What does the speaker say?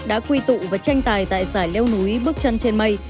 đã quy tụ và tranh tài tại giải leo núi bước chân trên mây